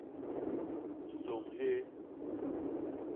Nsôñ hyéé.